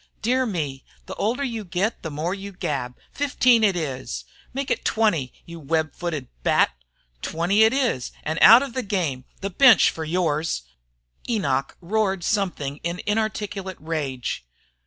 "Dear me, the older you get the more you gab! Fifteen it is!" "Make it twenty, you web footed bat!" "Twenty it is, and out of the game. The bench for yours!" Enoch roared something in inarticulate rage.